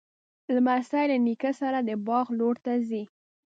لمسی له نیکه سره د باغ لور ته ځي.